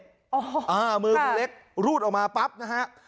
อ๋อค่ะอ๋อมือคงเล็กรูดออกมาปั๊บนะฮะ